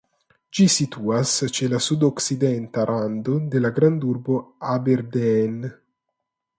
Ĝi situas ĉe la sudokcidenta rando de la grandurbo Aberdeen.